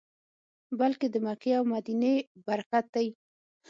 بلکې د مکې او مدینې برکت دی.